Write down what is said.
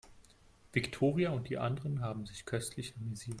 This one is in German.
Viktoria und die anderen haben sich köstlich amüsiert.